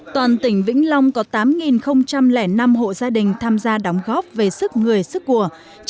toàn tỉnh vĩnh long có tám năm hộ gia đình tham gia đóng góp về sức người sức của